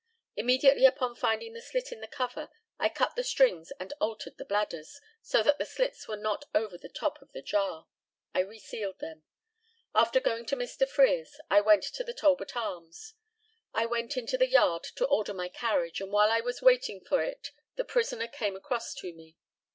Immediately upon finding the slit in the cover, I cut the strings and altered the bladders, so that the slits were not over the top of the jar. I resealed them. After going to Mr. Frere's I went to the Talbot Arms. I went into the yard to order my carriage, and while I was waiting for it the prisoner came across to me.